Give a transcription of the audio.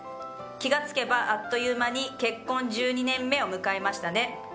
気がつけば、あっという間に結婚１２年目を迎えましたね。